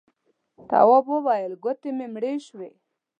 تواب وويل: گوتې مې مړې شوې.